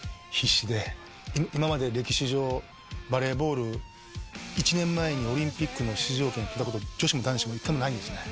今まで歴史上バレーボール１年前にオリンピックの出場権取ったこと女子も男子も１回もないんですね。